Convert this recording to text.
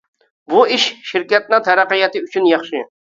بۇ ئىش شىركەتنىڭ تەرەققىياتى ئۈچۈن ياخشى.